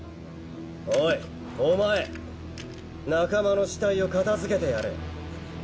おいお前仲間の死体を片づけてやれ。